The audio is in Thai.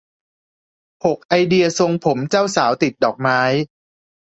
หก ไอเดียทรงผมเจ้าสาวติดดอกไม้